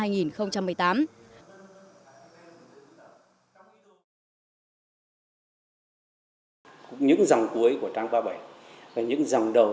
những dòng cuối của tháng ba mươi bảy và những dòng đầu